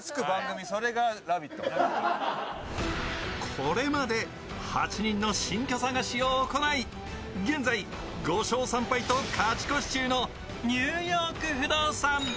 これまで８人の新居探しを行い、現在５勝３敗と勝ち越し中の「ニューヨーク不動産」。